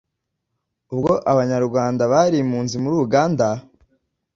Ubwo Abanyarwanda bari impunzi muri Uganda